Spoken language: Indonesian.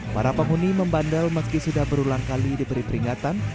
para penghuni membandel meski sudah berulang kali diberi peringatan